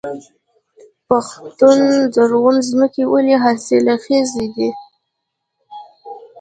پښتون زرغون ځمکې ولې حاصلخیزه دي؟